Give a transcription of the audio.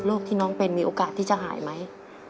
ที่น้องเป็นมีโอกาสที่จะหายไหม